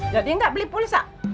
jadi nggak beli pulsa